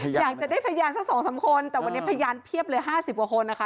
อยากจะได้พยานสัก๒๓คนแต่วันนี้พยานเพียบเลย๕๐กว่าคนนะคะ